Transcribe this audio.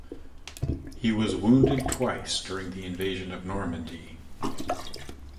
He was wounded twice during the Invasion of Normandy.